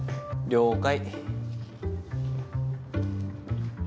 了解。